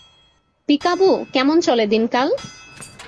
পিকা-বু, কেমন চলে দিনকাল?